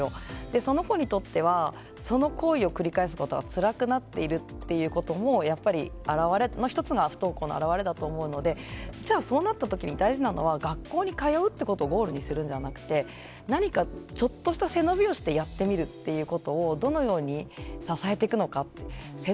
その子にとってはその行為を繰り返すことはつらくなっているっていうこともやっぱり１つの不登校の表れだと思うのでそうなった時に大事なのは学校に通うってことをゴールにするんじゃなくて何かちょっとした背伸びをしてやってみるってことをどのように支えていくのか。